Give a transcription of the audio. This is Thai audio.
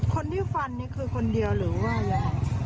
คนที่ฟันคือคนเดียวหรือว่าอย่างไร